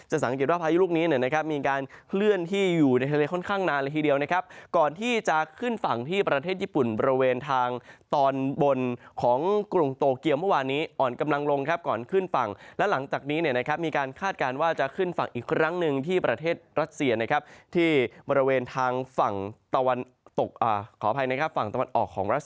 หลังจากนี้เนี่ยนะครับมีการคาดการณ์ว่าจะขึ้นฝั่งอีกครั้งหนึ่งที่ประเทศรัสเซียนะครับที่บริเวณทางฝั่งตะวันตกขอบภัยนะครับสวัสดีครับ